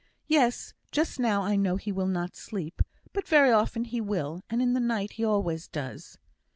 "Yes, just now I know he will not sleep; but very often he will, and in the night he always does."